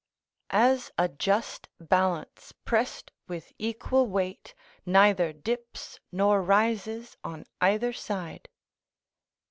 ["As a just balance, pressed with equal weight, neither dips nor rises on either side."